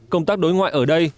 công tác đối ngoại ở đây